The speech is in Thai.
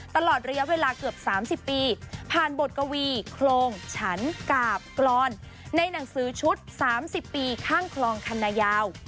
ตลอดระยะเวลาเกือบ๓๐ปีผ่านบทกวีโครงฉันกาบกรอนในหนังสือชุด๓๐ปีข้างคลองคันนายาว